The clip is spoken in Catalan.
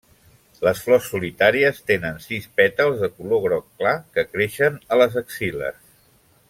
Les flors solitàries tenen sis pètals de color groc clar que creixen a les axil·les.